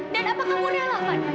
dan apa kamu rela man